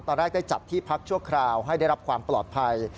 ตอนแรกได้จัดที่พักชั่วคราวให้ได้รับความปลอดภัย